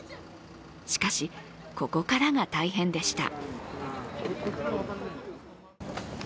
しかし、ここからが大変でした。